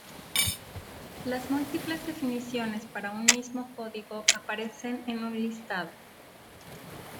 Las múltiples definiciones para un mismo código aparecen en un listado.